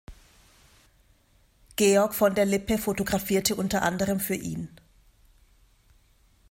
Georg von der Lippe fotografierte unter anderem für ihn.